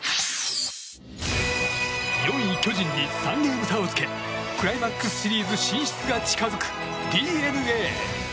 ４位、巨人に３ゲーム差をつけクライマックスシリーズ進出が近づく、ＤｅＮＡ。